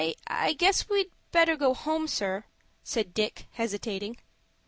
"I guess we'd better go home, sir," said Dick, hesitating.